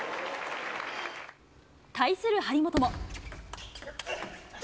対する張本も。